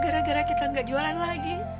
gara gara kita nggak jualan lagi